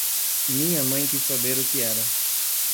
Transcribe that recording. Minha mãe quis saber o que era.